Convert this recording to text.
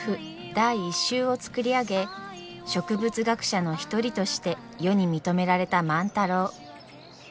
第１集を作り上げ植物学者の一人として世に認められた万太郎。